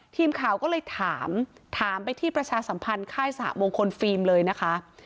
ทีมข่าวก็เลยถามถามไปที่ประชาสัมพันธ์ค่ายสหมงคลฟิล์มเลยนะคะ